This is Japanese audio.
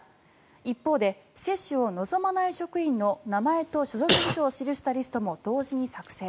一方で、接種を望まない職員の名前と所属部署を記したリストも同時に作成。